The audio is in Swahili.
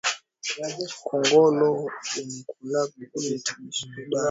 Kongolo banakulaka bitu byashipo dawa